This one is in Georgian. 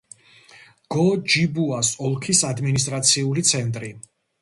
გო-ჯიბუას ოლქის ადმინისტრაციული ცენტრი.